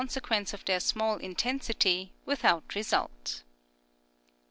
sequence of their small intensity, without result.